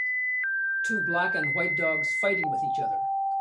two black and white dogs fighting with each other